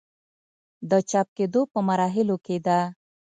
د چاپ کيدو پۀ مراحلو کښې ده